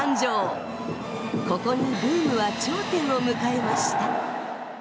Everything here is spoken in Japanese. ここにブームは頂点を迎えました。